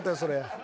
それ。